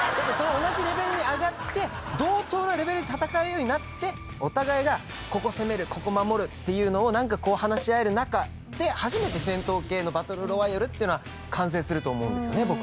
同じレベルに上がって同等なレベルで戦うようになってお互いがここ攻めるここ守るというのを話し合える中で初めて戦闘系のバトルロイヤルっていうのは完成すると思うんですよね